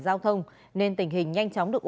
giao thông nên tình hình nhanh chóng được